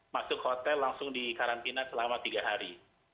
masuk hotel langsung dikarantina selama tiga hari